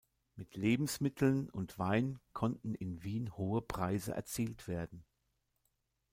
Mit Lebensmitteln und Wein konnten in Wien hohe Preise erzielt werden.